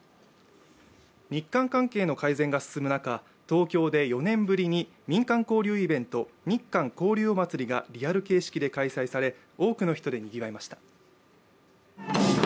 日韓関係の改善が進む中東京で４年ぶりに民間交流イベント、日韓交流おまつりがリアル形式で開催され多くの人でにぎわいました。